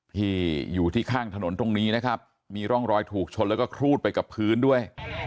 ที่อยู่ที่ข้างถนนตรงนี้นะครับมีร่องรอยถูกชนแล้วก็ครูดไปกับพื้นด้วย